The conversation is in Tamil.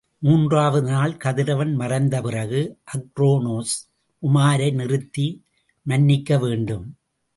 மூன்றாவது நாள் கதிரவன் மறைந்த பிறகு, அக்ரோனோஸ், உமாரை நிறுத்தி மன்னிக்கவேண்டும்.